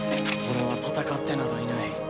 俺は戦ってなどいない。